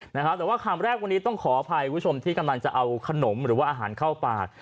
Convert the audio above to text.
แต่ว่าคำแรกวันนี้ต้องขออภัยคุณผู้ชมที่กำลังจะเอาขนมหรือว่าอาหารเข้าปาก